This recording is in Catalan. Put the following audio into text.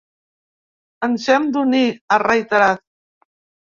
Ens hem d’unir, ha reiterat.